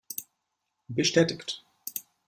Bestätigt!